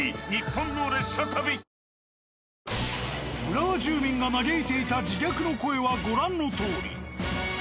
浦和住民が嘆いていた自虐の声はご覧のとおり。